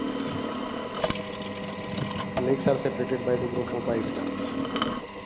The lakes are separated by a group of islands.